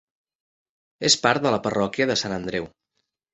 És part de la parròquia de Sant Andreu.